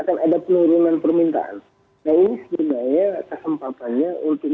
kalau barangnya banyak maka otomatis harganya akan relatif turun